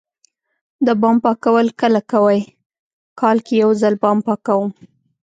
د بام پاکول کله کوئ؟ کال کې یوځل بام پاکوم